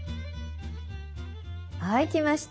はいきました。